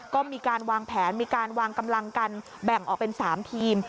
ก็มีการวางแผนมีการวางกำลังกันแบ่งออกเป็น๓ทีม